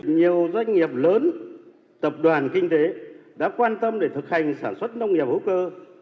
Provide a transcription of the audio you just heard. nhiều doanh nghiệp lớn tập đoàn kinh tế đã quan tâm để thực hành sản xuất nông nghiệp hữu cơ